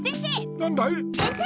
何だい？